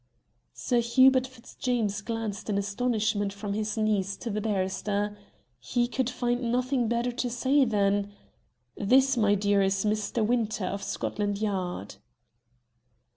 Sir Hubert Fitzjames glanced in astonishment from his niece to the barrister. He could find nothing better to say than "This, my dear, is Mr. Winter, of Scotland Yard."